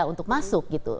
untuk masuk gitu